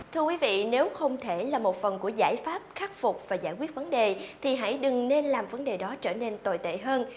thưa quý vị nếu không thể là một phần của giải pháp khắc phục và giải quyết vấn đề thì hãy đừng nên làm vấn đề đó trở nên tồi tệ hơn